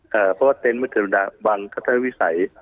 เพราะว่าเตนท์มันจะดับบังทัศนวิสัย